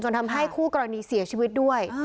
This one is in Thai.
ทำให้คู่กรณีเสียชีวิตด้วย